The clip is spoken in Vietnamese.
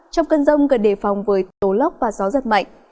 trong cơn rông gần đề phòng với tố lốc và gió giật mạnh